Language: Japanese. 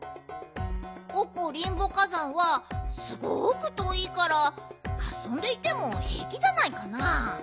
オコ・リンボ火山はすごくとおいからあそんでいてもへいきじゃないかな？